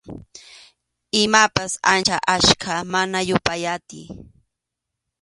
Imapas ancha achka, mana yupay atiy.